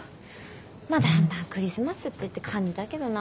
まあだんだん「クリスマスって」って感じだけどな。